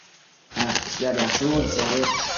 Ha-a, ishlar yaxshimi o‘zi, shoir?